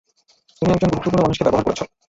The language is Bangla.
তুমি একজন গুরুত্বপূর্ণ মানুষকে ব্যবহার করেছ!